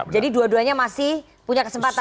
jadi dua duanya masih punya kesempatan